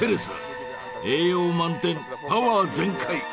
栄養満点パワー全開！